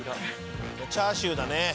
チャーシューだね。